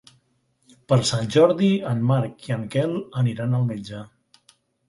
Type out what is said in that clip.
Per Sant Jordi en Marc i en Quel aniran al metge.